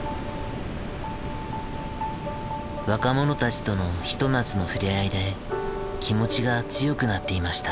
若者たちとのひと夏の触れ合いで気持ちが強くなっていました。